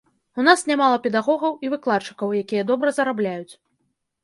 У нас нямала педагогаў і выкладчыкаў, якія добра зарабляюць.